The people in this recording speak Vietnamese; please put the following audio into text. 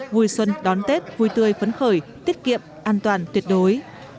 vui xuân đón tết vui tươi phấn khởi tiết kiệm an toàn tuyệt đối